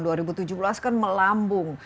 sampai akhir tahun dua ribu tujuh belas kan melambung